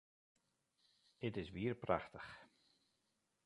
It is wier prachtich!